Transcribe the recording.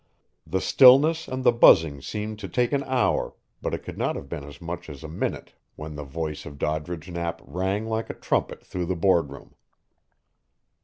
The stillness and the buzzing seemed to take an hour, but it could not have been as much as a minute when the voice of Doddridge Knapp rang like a trumpet through the Boardroom.